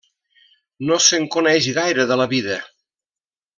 No se'n coneix gaire de la vida.